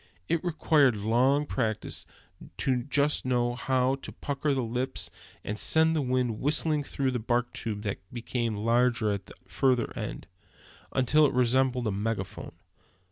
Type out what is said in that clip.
It requires long practice to know just how to pucker up the lips, and send the wind whistling through the bark tube that becomes larger at the further end, until it resembles a megaphone.